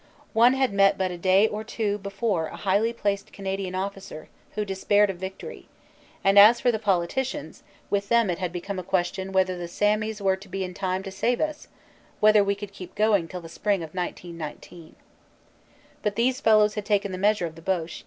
One had met but a day or two before a highly placed Canadian officer who despaired of victory; and as for the politicians, with them it had become a question whether the "Sammies" were to be in time to save us whether we could keep going till the spring of 1919. But these fellows had taken the measure of the Boche.